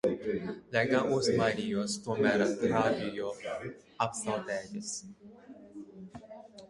Lai gan uzmanījos – tomēr trāpīju apsaldēties.